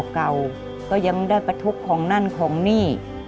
เก่าก็ยังได้ประทุบของนั่นของนี่